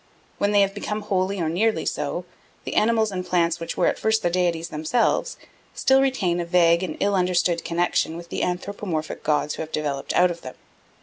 When they have become wholly or nearly so, the animals and plants which were at first the deities themselves, still retain a vague and ill understood connexion with the anthropomorphic gods who have developed out of them.